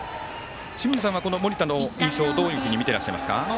清水さんは、この盛田の印象どういうふうに見ていらっしゃいますか？